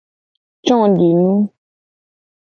Codinu.